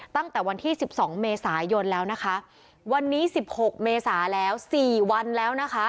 ตั้งแต่วันที่สิบสองเมษายนแล้วนะคะวันนี้สิบหกเมษาแล้วสี่วันแล้วนะคะ